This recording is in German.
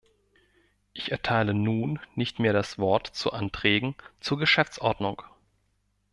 Ich erteile nun nicht mehr das Wort zu Anträgen zur Geschäftsordnung.